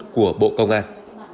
của bộ công an